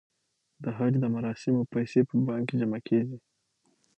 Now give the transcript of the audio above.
د حج د مراسمو پیسې په بانک کې جمع کیږي.